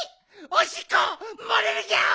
おしっこもれるギャオ！